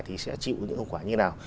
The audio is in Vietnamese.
thì sẽ chịu những hậu quả như thế nào